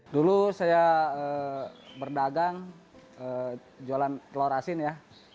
dulu saya berdagang jualan telur asin ya